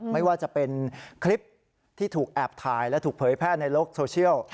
ไม่ว่าจะเป็นคลิปที่ถูกแอบถ่ายและถูกเผยแพร่ในโลกโซเชียล